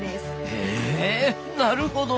へえなるほどねえ！